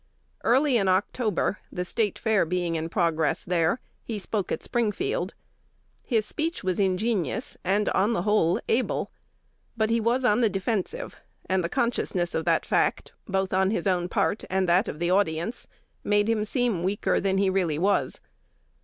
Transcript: Early in October, the State Fair being in progress there, he spoke at Springfield. His speech was ingenious, and, on the whole, able: but he was on the defensive; and the consciousness of the fact, both on his own part and that of the audience, made him seem weaker than he really was.